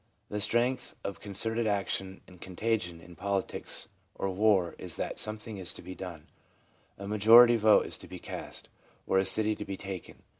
The strength of concerted action and con tagion in politics or war is that something is to be done — a majority vote is to be cast, or a city to be taken.